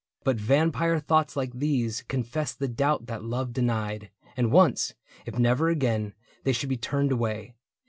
But vampire thoughts like these confessed the doubt That love denied ; and once, if never again, They should be turned away.